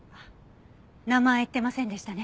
名前言ってませんでしたね。